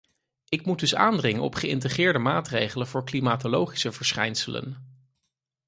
Ik moet dus aandringen op geïntegreerde maatregelen voor klimatologische verschijnselen.